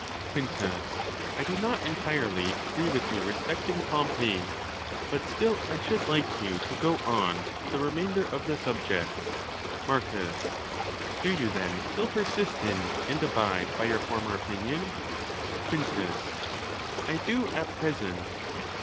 Quintus—1 do not entirely agree with you respecting. Pompey; but still I should like you to go on to the re . mainder of the subject. Marcus.—Do you then still persist in and abide by your, former opinion ? Quintus.—I do at present.